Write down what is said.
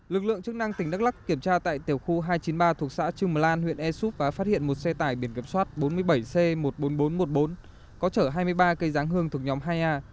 lực lượng chức năng tỉnh đắk lắc kiểm tra tại tiểu khu hai trăm chín mươi ba thuộc xã chư mờ lan huyện ea súp và phát hiện một xe tải biển kiểm soát bốn mươi bảy c một mươi bốn nghìn bốn trăm một mươi bốn có chở hai mươi ba cây giáng hương thuộc nhóm hai a